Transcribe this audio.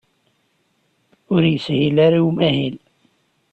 Ur yeshil ara i umahil